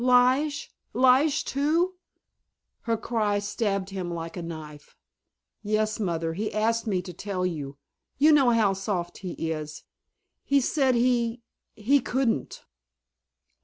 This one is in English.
"Lige—Lige, too?" Her cry stabbed him like a knife. "Yes, Mother, he asked me to tell you. You know how soft he is. He said he—he couldn't."